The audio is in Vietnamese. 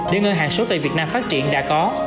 để ngân hàng số tại việt nam phát triển đã có